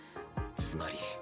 つまり。